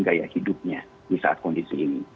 gaya hidupnya di saat kondisi ini